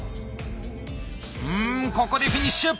うんここでフィニッシュ！